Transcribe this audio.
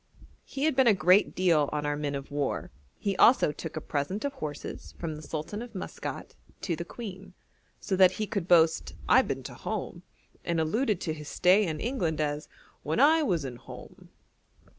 He had been a great deal on our men of war; he also took a present of horses from the Sultan of Maskat to the Queen, so that he could boast 'I been to Home,' and alluded to his stay in England as 'when I was in Home.'